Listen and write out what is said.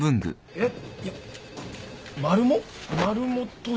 えっ？